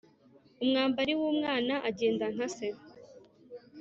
Umwambari w’umwana agenda nka se.